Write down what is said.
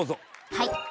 はい。